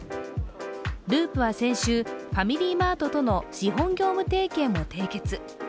ＬＵＵＰは先週、ファミリーマートとの資本業務提携を締結。